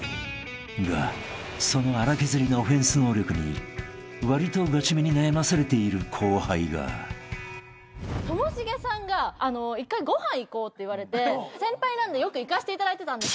［がその粗削りなオフェンス能力にわりとガチめに悩まされている後輩が］ともしげさんが一回ご飯行こうって言われて先輩なんでよく行かしていただいてたんです。